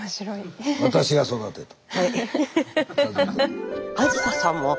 「私が育てた」。